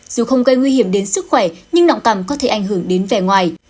dù không gây nguy hiểm đến sức khỏe nhưng nọng cảm có thể ảnh hưởng đến vẻ ngoài